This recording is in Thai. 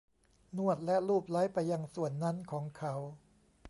นวดและลูบไล้ไปยังส่วนนั้นของเขา